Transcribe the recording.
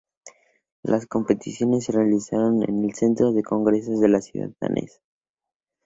Las competiciones se realizaron en el Centro de Congresos de la ciudad danesa.